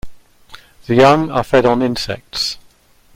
The young are fed on insects.